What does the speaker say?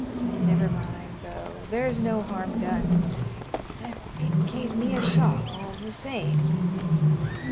"Never mind, though; there's no harm done, but it gave me a shock all the same."